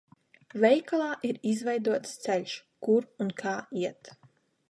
Veikalā ir izveidots ceļš, kur un kā iet.